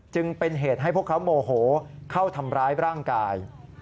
จึงเป็นเหตุให้พวกเขาโมโหเข้าทำร้ายร่างกาย